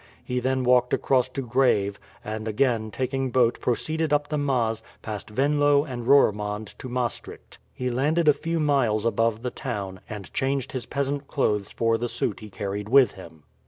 He then walked across to Grave, and again taking boat proceeded up the Maas, past Venlo and Roermond to Maastricht. He landed a few miles above the town, and changed his peasant clothes for the suit he carried with him.